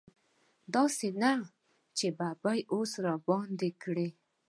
داسې نه چې په ببۍ اوس راباندې کړي.